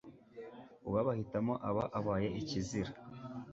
uwabahitamo aba abaye ikizira